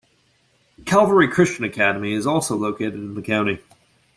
Calvary Christian Academy, is also located in the county.